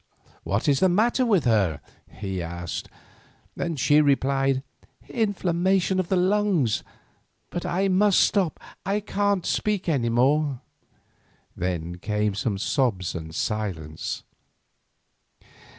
"What is the matter with her?" he asked; and she replied: "Inflammation of the lungs—but I must stop; I can't speak any more." Then came some sobs and silence.